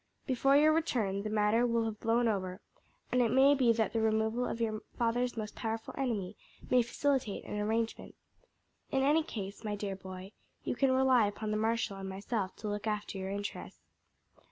Before you return, the matter will have blown over, and it may be that the removal of your father's most powerful enemy may facilitate an arrangement. In any case, my dear boy, you can rely upon the marshal and myself to look after your interests."